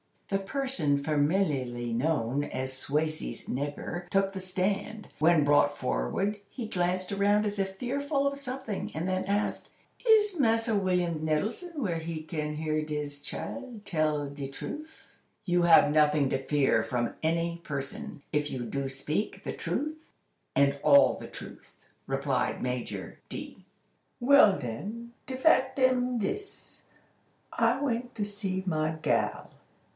The person familiarly known as "Swasey's nigger" took the stand. When brought forward, he glanced around as if fearful of something, and then asked: "Is Massa William Nettletum where he can hear dis chile tell de truff?" "You have nothing to fear from any person, if you do speak the truth, and all the truth," replied Major D. "Well den, de fact am dis. I went to see my gal.